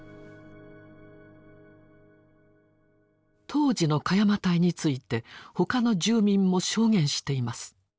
当時の鹿山隊について他の住民も証言しています。